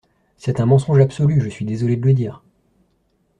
C’est un mensonge absolu, je suis désolé de le dire.